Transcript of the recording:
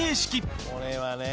「これはね」